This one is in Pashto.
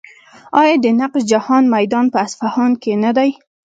آیا د نقش جهان میدان په اصفهان کې نه دی؟